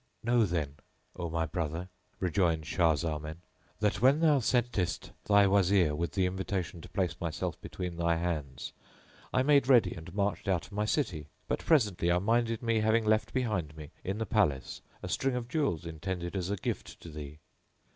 "Know, then, O my brother," rejoined Shah Zaman, "that when thou sentest thy Wazir with the invitation to place myself between thy hands, I made ready and marched out of my city; but presently I minded me having left behind me in the palace a string of jewels intended as a gift to thee.